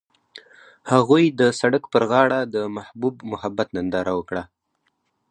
هغوی د سړک پر غاړه د محبوب محبت ننداره وکړه.